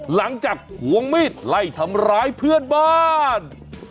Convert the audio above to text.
หลังจากควงมีดไล่ทำร้ายเพื่อนบ้าน